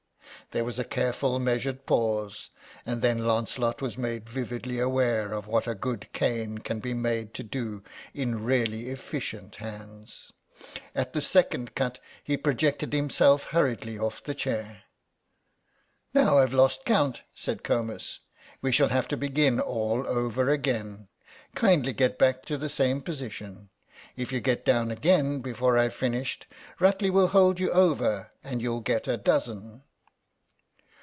There was a carefully measured pause, and then Lancelot was made vividly aware of what a good cane can be made to do in really efficient hands. At the second cut he projected himself hurriedly off the chair. "Now I've lost count," said Comus; "we shall have to begin all over again. Kindly get back into the same position. If you get down again before I've finished Rutley will hold you over and you'll get a dozen."